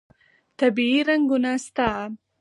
طبیعي رنګونه شته.